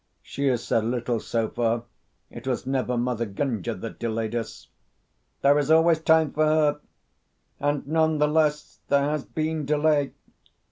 "She has said little so far. It was never Mother Gunga that delayed us." "There is always time for her; and none the less there has been delay.